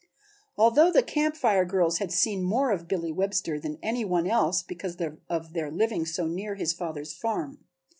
Although the Camp Fire girls had seen more of Billy Webster than any one else because of their living so near his father's farm.